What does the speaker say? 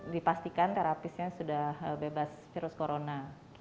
dipastikan terapisnya sudah bebas virus corona